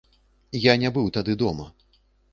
Я не быў тады дома.